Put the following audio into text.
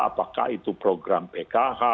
apakah itu program pkh